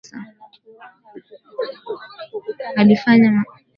Alifanya makosa